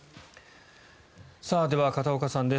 では、片岡さんです。